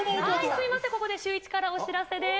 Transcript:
すみません、ここでシューイチからお知らせです。